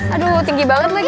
aduh tinggi banget lagi